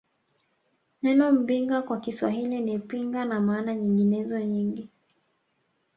Neno Mbinga kwa Kiswahili ni Pinga na maana nyinginezo nyingi